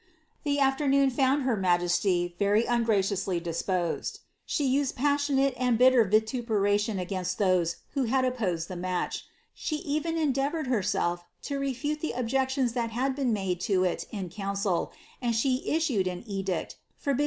"* The afternoon found her majesty very ungraciously disposed; she used passionate and bitter vituperation against those who had opposed the match ; she even endeavoured herself to refute the objections thai had been made to it in council, and she issued an edict, furbiddin?